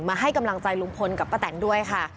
ให้กำลังใจลุงพลกับป้าแตนด้วยค่ะ